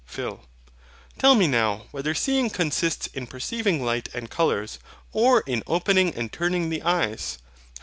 PHIL. Tell me now, whether SEEING consists in perceiving light and colours, or in opening and turning the eyes?